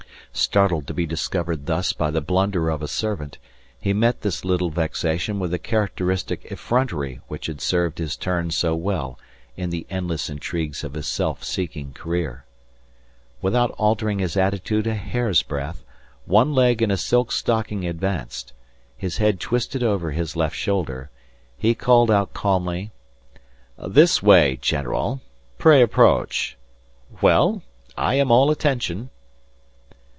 Startled to be discovered thus by the blunder of a servant, he met this little vexation with the characteristic effrontery which had served his turn so well in the endless intrigues of his self seeking career. Without altering his attitude a hair's breadth, one leg in a silk stocking advanced, his head twisted over his left shoulder, he called out calmly: "This way, general. Pray approach. Well? I am all attention."